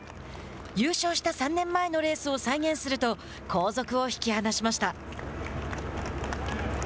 優勝した３年前のレースを再現すると後続を引き離しました。